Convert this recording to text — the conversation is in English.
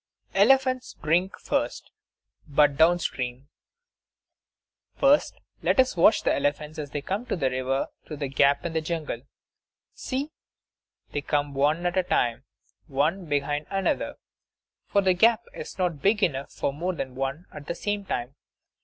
Elephants Drink First but Down Stream First let us watch the elephants as they come to the river through the gap in the jungle. See! They come one at a time, one behind another; for the gap is not big enough for more than one at the same time.